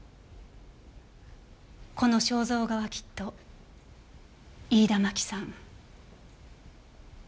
この肖像画はきっと飯田真紀さん。